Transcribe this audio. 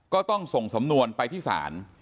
ก็ต้องส่งสำนวนไปที่ศาล